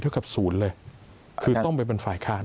เท่ากับ๐เลยคือต้องไปบรรไฟขาว